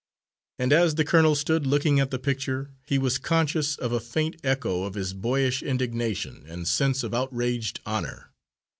And as the colonel stood looking at the picture he was conscious of a faint echo of his boyish indignation and sense of outraged honour.